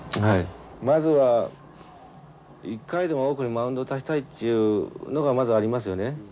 はいまずは一回でも多くマウンドに立ちたいっちゅうのがまずありますよね。